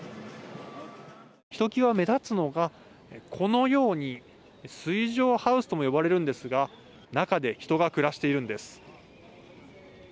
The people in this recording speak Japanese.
ひときわ目立つのがこのように水上ハウスとも呼ばれるんですが中で人が暮らしているんです。